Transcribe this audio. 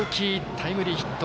タイムリーヒット。